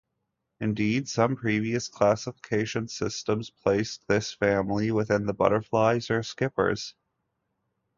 Indeed, some previous classification systems placed this family within the butterflies or skippers.